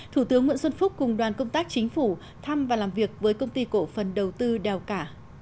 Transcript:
thủ tướng nguyễn xuân phúc cùng đoàn công tác chính phủ thăm và làm việc với công ty cổ phần đầu tư đèo cả